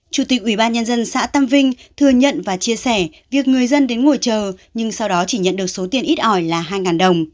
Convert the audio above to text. chủ tịch ubnd xã tâm vinh thừa nhận và chia sẻ việc người dân đến ngồi chờ nhưng sau đó chỉ nhận được số tiền ít ỏi là hai đồng